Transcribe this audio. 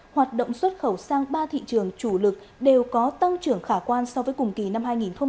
hoạt động xuất khẩu sang ba thị trường chủ lực đều có tăng trưởng khả quan so với cùng kỳ năm hai nghìn một mươi chín